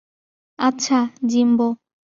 আচ্ছা, জিম্বো।